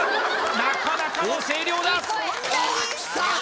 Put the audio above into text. なかなかの声量だああ